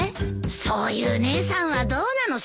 そういう姉さんはどうなのさ。